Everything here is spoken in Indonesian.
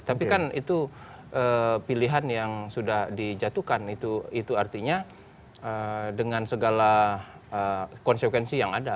tapi kan itu pilihan yang sudah dijatuhkan itu artinya dengan segala konsekuensi yang ada